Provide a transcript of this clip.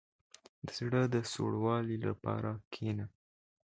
• د زړه د سوړوالي لپاره کښېنه.